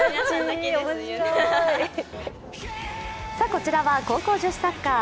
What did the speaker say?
こちらは高校女子サッカー。